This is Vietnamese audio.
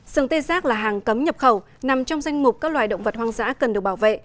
sừng tê giác là hàng cấm nhập khẩu nằm trong danh mục các loài động vật hoang dã cần được bảo vệ